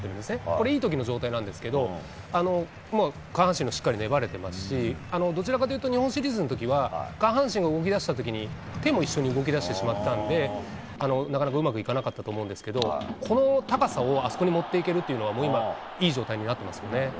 これ、いいときの状態なんですけど、下半身もしっかり粘れてますし、どちらかというと、日本シリーズのときは、下半身が動きだしたときに、手も一緒に動きだしてしまったんで、なかなかうまくいかなかったと思うんですけど、この高さをあそこに持っていけるというのは、もう今、いい状態になってますよ